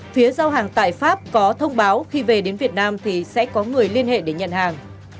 phía giao hàng tại pháp có thông báo khi về đến việt nam thì sẽ có người liên hệ để nhận hàng